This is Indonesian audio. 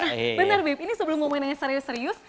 benar bib ini sebelum ngomongin serius serius